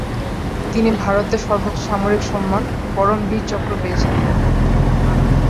তিনি ভারতের সর্বোচ্চ সামরিক সম্মান পরম বীর চক্র পেয়েছিলেন।